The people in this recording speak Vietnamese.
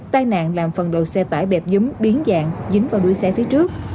tai nạn làm phần đầu xe tải bẹp dúng biến dạng dính vào đuôi xe phía trước